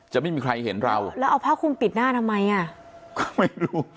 จะไม่มีใครเห็นเราแล้วเอาผ้าคุมปิดหน้าทำไมอ่ะก็ไม่รู้